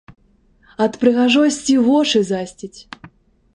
Ад прыгажосці вочы засціць!